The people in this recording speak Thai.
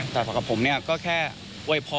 แต่กับผมเนี่ยก็แค่โวยพร